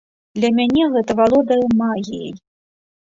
Для мяне гэта валодае магіяй.